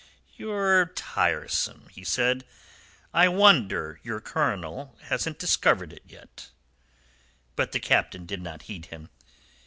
"You're tiresome," he said. "I wonder your colonel hasn't discovered it yet." But the Captain did not heed him.